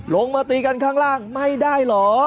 ลงมาตีกันข้างล่างไม่ได้เหรอ